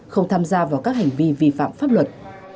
không tham gia vào các hành vi vi phạm pháp luật